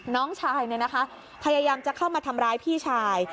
น้องชายเนี่ยนะคะพยายามจะเข้ามาทำร้ายพี่ชาย